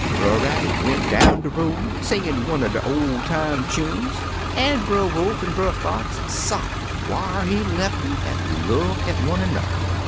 €€ Brer Rabbit went on down de road^ singin' one cr de ol' time chunes, an' Brer Wolf an' Brer Fox sot whar he lef um an' look at one an'er.